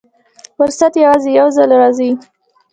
فرصت یوازې یو ځل راځي.